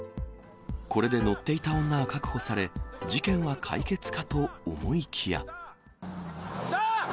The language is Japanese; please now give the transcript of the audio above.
これで乗っていた女は確保され、事件は解決かと思いきや。